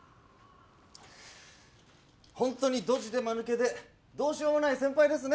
ホントにドジでマヌケでどうしようもない先輩ですね。